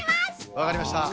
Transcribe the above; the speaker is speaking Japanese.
わかりました。